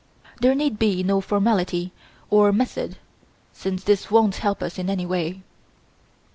There need be no formality or method since this won't help us in any way."